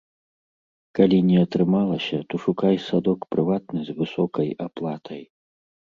Калі не атрымалася, то шукай садок прыватны з высокай аплатай.